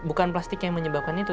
bukan plastik yang menyebabkan itu